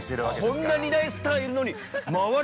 ◆こんな２大スターがいるのに周り